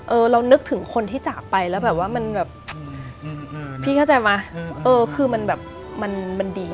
เรานึกถึงคนที่จากไปแล้วแบบว่ามันแบบพี่เข้าใจไหมเออคือมันแบบมันดี